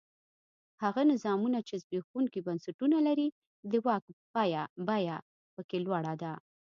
هغه نظامونه چې زبېښونکي بنسټونه لري د واک بیه په کې لوړه ده.